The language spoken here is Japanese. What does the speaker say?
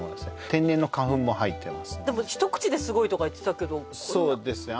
天然の花粉も入ってますでも一口ですごいとか言ってたけどそうですね